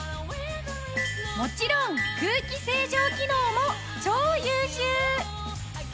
もちろん空気清浄機能も超優秀！